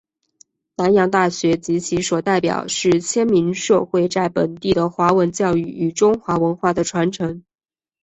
南洋大学及其所代表是迁民社会在本地的华文教育与中华文化的传承。